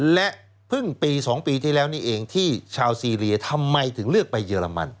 และเพิ่งปี๒ปีที่แล้วนี่เองที่ชาวซีเรียทำไมถึงเลือกไปเยอรมัน